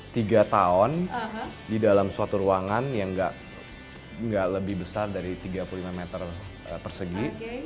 tiga tahun di dalam suatu ruangan yang nggak lebih besar dari tiga puluh lima meter persegi